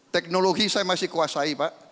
teknologi saya masih kuasai pak